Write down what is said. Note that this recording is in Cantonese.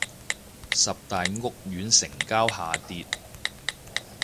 十大屋苑成交下跌